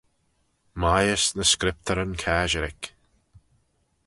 Mieys ny Scriptyryn Casherick.